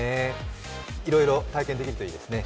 いろいろ体験できるといいですね。